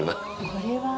これは。